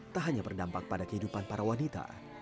tak hanya berdampak pada kehidupan para wanita